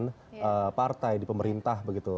dengan partai di pemerintah begitu